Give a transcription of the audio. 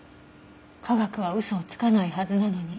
科学は嘘をつかないはずなのに。